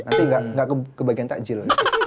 nanti nggak kebagian takjil